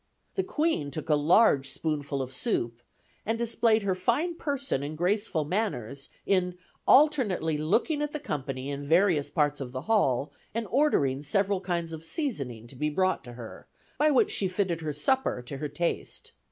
The queen took a large spoonful of soup, and displayed her fine person and graceful manners, in alternately looking at the company in various parts of the hall, and ordering several kinds of seasoning to be brought to her, by which she fitted her supper to her taste.